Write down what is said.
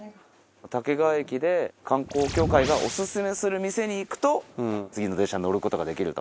武川駅で観光協会がオススメする店に行くと次の電車に乗ることができると。